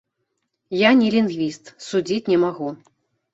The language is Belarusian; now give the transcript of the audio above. Я не лінгвіст, судзіць не магу.